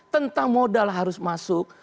tentang modal harus masuk